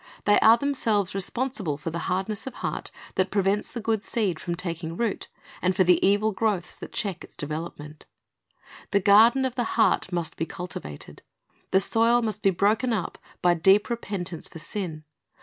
They are themselves responsible for the hardness of heart that prevents the good seed from taking root, and for the evil growths that check its development. The garden of the heart must be cultivated. The soil must be broken up by deep repentance for sin.